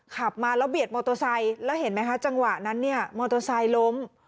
ขับมาแล้วเบียดมอเตอร์ไซค์แล้วเห็นไหมคะจังหวะนั้นเนี่ยมอเตอร์ไซค์ล้ม